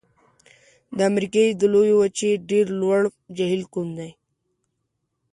د امریکا د لویې وچې ډېر لوړ جهیل کوم دی؟